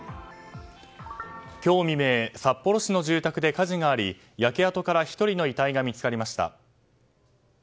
今日未明札幌市の住宅で火事があり焼け跡から１人の遺体が見つかりました。